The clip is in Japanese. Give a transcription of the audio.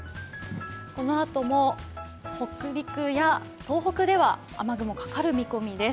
このあとも北陸や東北では雨雲かかる見込みです。